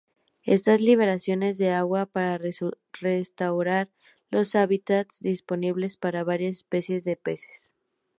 Estas liberaciones de agua para restaurar los hábitats disponibles para varias especies de peces.